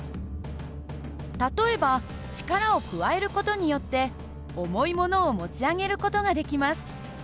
例えば力を加える事によって重いものを持ち上げる事ができます。